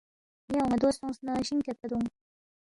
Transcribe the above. یا اون٘ا دو سونگس نہ شِنگ چدپا دونگ